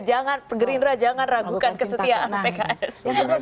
jangan gerindra jangan ragukan kesetiaan pks